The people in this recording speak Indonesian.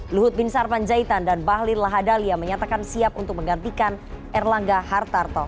luhut bin sarpanjaitan dan bahlil lahadalia menyatakan siap untuk menggantikan erlangga hartarto